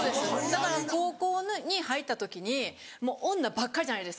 だから高校に入った時にもう女ばっかりじゃないですか。